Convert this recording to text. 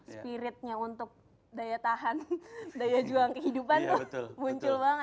spiritnya untuk daya tahan daya juang kehidupan tuh muncul banget